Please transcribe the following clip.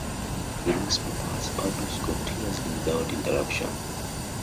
The newspaper has published continuously without interruption.